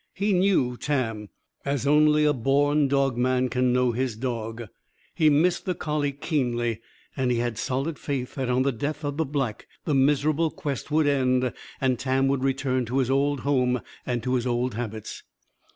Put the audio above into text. He knew Tam; as only a born dogman can know his dog. He missed the collie, keenly. And he had solid faith that on the death of the Black, the miserable quest would end and Tam would return to his old home and to his old habits.